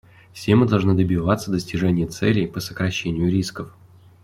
Все мы должны добиваться достижения целей по сокращению рисков.